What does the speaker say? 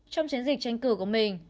trong chiến dịch tranh cử của mình